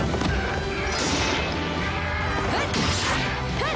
フッ！